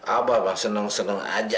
abah mah seneng seneng aja